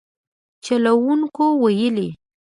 چلوونکو ویلي